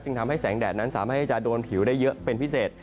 ทำให้แสงแดดนั้นสามารถที่จะโดนผิวได้เยอะเป็นพิเศษ